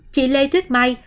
chị lê thuyết mai